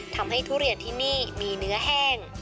ทุเรียนที่นี่มีเนื้อแห้ง